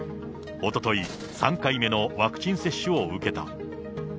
おととい、３回目のワクチン接種を受けた。